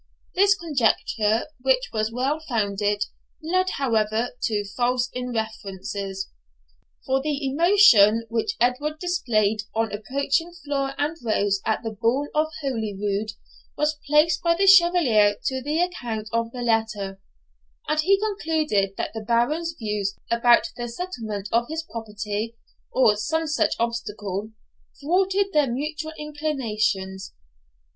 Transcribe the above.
This conjecture, which was well founded, led, however, to false inferences. For the emotion which Edward displayed on approaching Flora and Rose at the ball of Holyrood was placed by the Chevalier to the account of the latter; and he concluded that the Baron's views about the settlement of his property, or some such obstacle, thwarted their mutual inclinations.